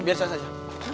biar saya saja